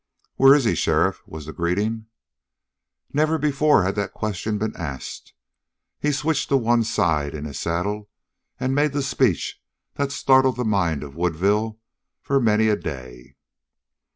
"Where is he, sheriff?" was the greeting. Never before had that question been asked. He switched to one side in his saddle and made the speech that startled the mind of Woodville for many a day.